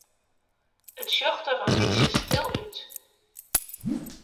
It sjocht der in bytsje stil út.